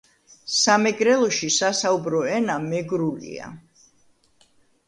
სამეგრელოში სასაუბრო ენა მეგრულია